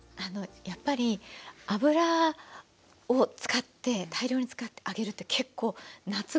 やっぱり油を使って大量に使って揚げるって結構夏きついじゃないですか。